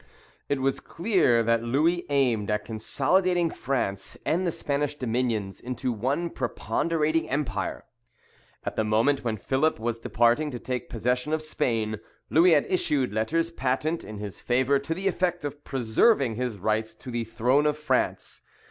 It was clear that Louis aimed a consolidating France and the Spanish dominions into one preponderating empire. At the moment when Philip was departing to take possession of Spain, Louis had issued letters patent in his favour to the effect of preserving his rights to the throne of France.